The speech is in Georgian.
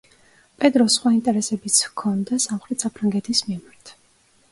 პედროს სხვა ინტერესებიც ჰქონა სამხრეთ საფრანგეთის მიმართ.